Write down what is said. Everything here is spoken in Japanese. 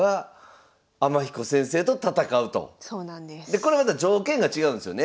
でこれまた条件が違うんですよね？